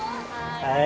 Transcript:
はい。